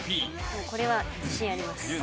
これは自信あります。